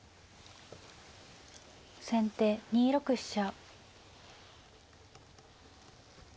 先手２六飛車。